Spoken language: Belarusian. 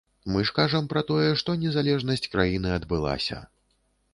Мы ж кажам пра тое, што незалежнасць краіны адбылася.